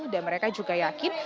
dan mereka juga yakin